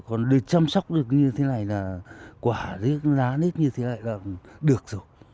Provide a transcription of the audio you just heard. còn để chăm sóc được như thế này là quả rước lá nít như thế này là được